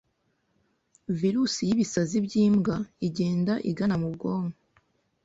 Virusi y’ibisazi by’imbwa igenda igana mu bwonko